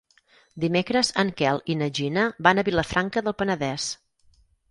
Dimecres en Quel i na Gina van a Vilafranca del Penedès.